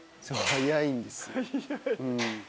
そう早いんです。